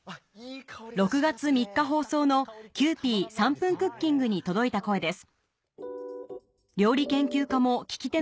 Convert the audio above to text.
６月３日放送の『キユーピー３分クッキング』に届いた声です